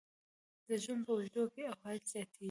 د ژوند په اوږدو کې عواید زیاتیږي.